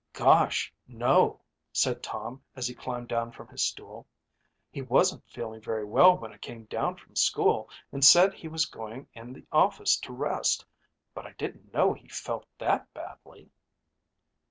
"Gosh, no," said Tom as he climbed down from his stool. "He wasn't feeling very well when I came down from school and said he was going in the office to rest, but I didn't know he felt that badly."